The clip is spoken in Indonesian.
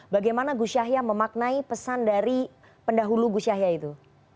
bagaimana gus yahya memaknai pesan dari pendahulu gus yahya itu